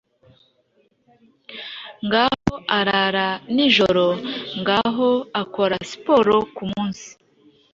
Ngaho arara nijoro; Ngaho akora siporo kumunsi,